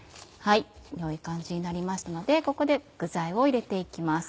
良い感じになりましたのでここで具材を入れて行きます。